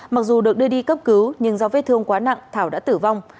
mặc dù được đưa đi cấp cứu nhưng do vết thương quá nặng thảo đã tử vong